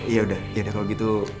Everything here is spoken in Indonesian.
yaudah ya udah kalau gitu